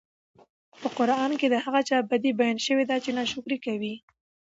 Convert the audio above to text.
په قران کي د هغه چا بدي بيان شوي چې ناشکري کوي